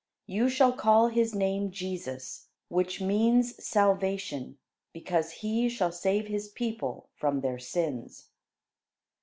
You shall call his name Jesus, which means 'salvation,' because he shall save his people from their sins."